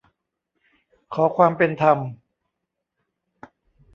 ขอความเป็นธรรม